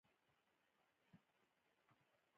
افغانستان کې د وحشي حیواناتو لپاره دپرمختیا پروګرامونه شته.